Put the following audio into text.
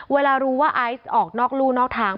เวลารู้ว่าไอซ์ออกนอกลู่นอกทาง